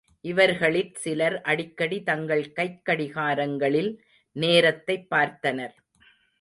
இவர்களிற் சிலர் அடிக்கடி தங்கள் கைக்கடிகாரங்களில் நேரத்தைப் பார்த்தனர்.